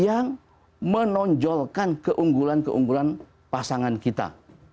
yang menonjolkan keunggulan keunggulan pasangan kita